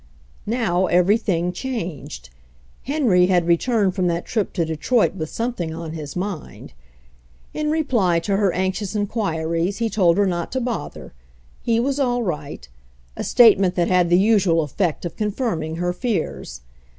Now everything changed. Henry had returned from that trip to Detroit with something on his mind. In reply to her anxious inquiries he told her not to bother, he was all right — a statement that had the usual effect of confirming her fears.